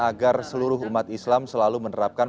agar seluruh umat islam selalu menerapkan